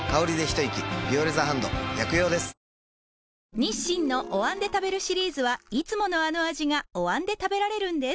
日清のお椀で食べるシリーズはいつものあの味がお椀で食べられるんです